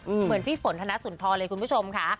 เหมือนพี่ฝนธนสุนทรเลยคุณผู้ชมค่ะ